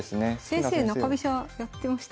先生中飛車やってましたよね？